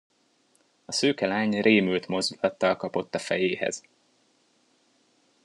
A szőke lány rémült mozdulattal kapott a fejéhez.